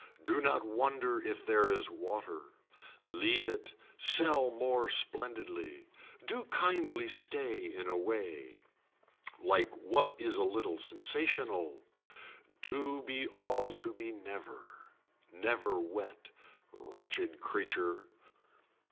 Do not wonder if there is water. Leave it, sell more splendidly. Do kindly stay in a way. Like what is a little sensational. Do be all to be never. Never wet. Wretched creature.